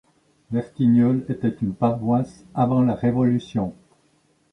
Vertigneul était une paroisse avant la Révolution.